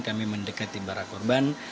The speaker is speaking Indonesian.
kami mendekati para korban